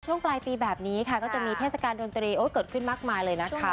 ช่วงปลายปีแบบนี้ค่ะก็จะมีเทศกาลดนตรีเกิดขึ้นมากมายเลยนะคะ